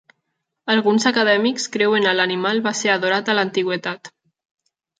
Alguns acadèmics creuen a l'animal va ser adorat a l'antiguitat.